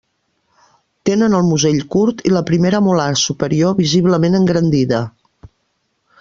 Tenen el musell curt i la primera molar superior visiblement engrandida.